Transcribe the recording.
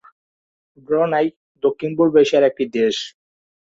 Brunei দক্ষিণ-পূর্ব এশিয়ার একটি দেশ।